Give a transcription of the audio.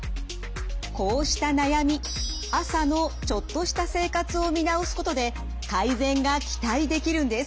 こうした悩み朝のちょっとした生活を見直すことで改善が期待できるんです！